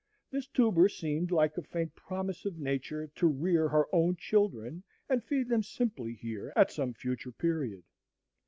This tuber seemed like a faint promise of Nature to rear her own children and feed them simply here at some future period.